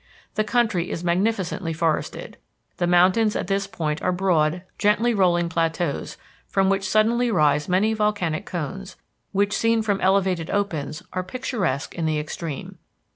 The country is magnificently forested. The mountains at this point are broad, gently rolling plateaus from which suddenly rise many volcanic cones, which, seen from elevated opens, are picturesque in the extreme.